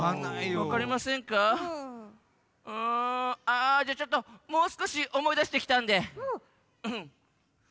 あじゃあちょっともうすこしおもいだしてきたんで。